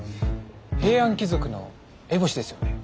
平安貴族の烏帽子ですよね？